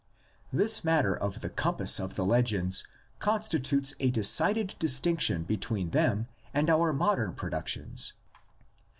This matter of the compass of the legends consti tutes a decided distinction between them and our modern productions.